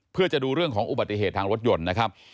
เพื่อจะดูเรื่องของอุบัติเหตุทางรถยนต์นะครับ